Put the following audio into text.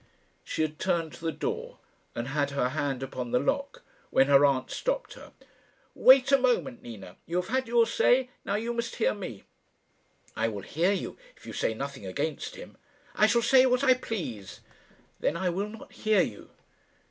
She had turned to the door, and had her hand upon the lock when her aunt stopped her. "Wait a moment, Nina. You have had your say; now you must hear me." "I will hear you if you say nothing against him." "I shall say what I please." "Then I will not hear you."